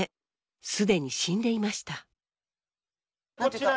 既に死んでいました。